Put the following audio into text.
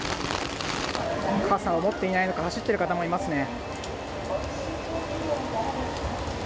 傘を持っていないのか、走っている方もいますね。